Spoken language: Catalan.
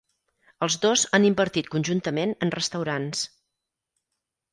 Els dos han invertit conjuntament en restaurants.